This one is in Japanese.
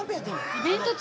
イベント中？